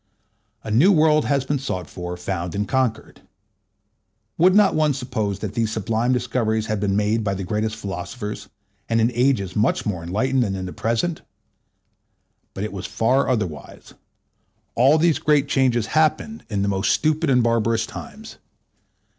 A new world has been sought for, found, and conquered. Would not one suppose that these sublime discoveries had been made by the greatest philosophers, and in ages much more enlightened than the present? But it was far otherwise; all these great changes happened in the most stupid and barbarous times.